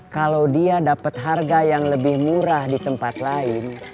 kalau dia dapat harga yang lebih murah di tempat lain